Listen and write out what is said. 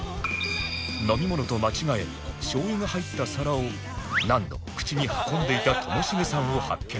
飲み物と間違え醤油が入った皿を何度も口に運んでいたともしげさんを発見